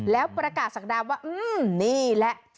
แล้วประกาศศักดาว่านี่แหละ